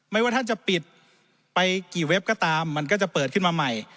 ว่าท่านจะปิดไปกี่เว็บก็ตามมันก็จะเปิดขึ้นมาใหม่